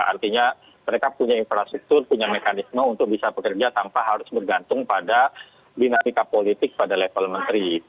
artinya mereka punya infrastruktur punya mekanisme untuk bisa bekerja tanpa harus bergantung pada dinamika politik pada level menteri